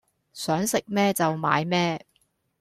想食咩就買咩